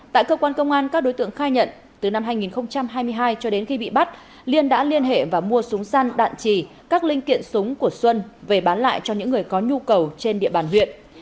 tại cơ quan công an các đối tượng khai nhận từ năm hai nghìn hai mươi hai cho đến khi bị bắt liên đã liên hệ và mua súng săn đạn trì các linh kiện súng của xuân về bán lại cho những người có nhu cầu trên địa bàn huyện